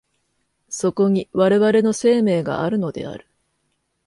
そこに我々の生命があるのである。